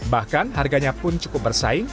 bahkan harganya pun cukup bersaing